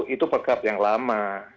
itu perkap yang lama